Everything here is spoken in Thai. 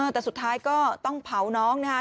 แต่สุดท้ายก็ต้องเผาน้องนะครับ